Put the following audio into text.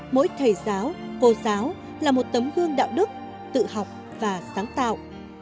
mỗi thầy giáo cô giáo là một tấm gương đạo đức tự học và sáng tạo